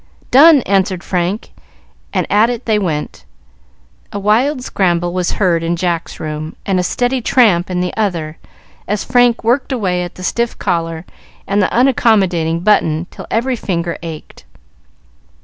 "Done!" answered Frank, and at it they went. A wild scramble was heard in Jack's room, and a steady tramp in the other as Frank worked away at the stiff collar and the unaccommodating button till every finger ached.